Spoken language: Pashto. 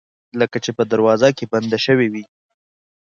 لکه چې په دروازه کې بنده شوې وي